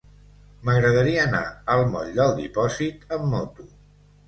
M'agradaria anar al moll del Dipòsit amb moto.